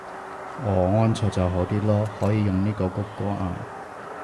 哦安卓就好啲囉，可以用呢個穀歌啊